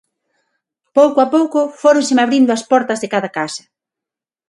Pouco a pouco, fóronseme abrindo as portas de cada casa.